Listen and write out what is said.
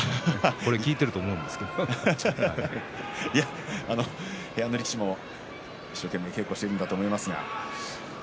これを聞いていると部屋の力士も一生懸命稽古しているんだと思いますが。